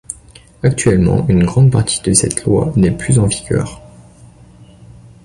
Actuellement, une grande partie de cette loi n'est plus en vigueur.